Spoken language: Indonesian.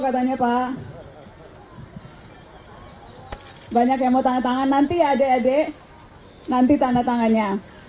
banyak yang mau tangan tangan nanti ya adek adek nanti tanda tangannya